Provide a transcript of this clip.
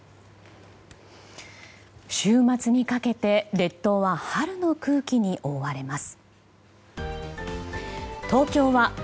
週末にかけて列島は春の空気に覆われます。